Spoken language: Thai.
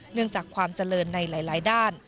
เนื่องจากความเจริญในหลายด้าน